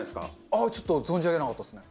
ああちょっと存じ上げなかったですね。